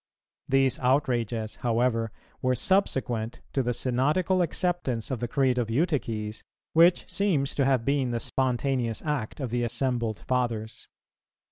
These outrages, however, were subsequent to the Synodical acceptance of the Creed of Eutyches, which seems to have been the spontaneous act of the assembled Fathers.